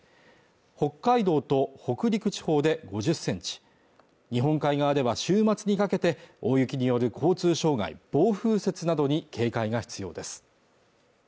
北海道と北陸地方で５０センチ日本海側では週末にかけて大雪による交通障害暴風雪などに警戒が必要です